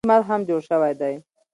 یو لوی جومات هم جوړ شوی دی.